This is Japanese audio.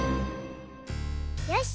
よし！